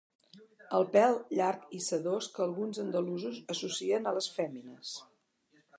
El pèl llarg i sedós que alguns andalusos associen a les fèmines.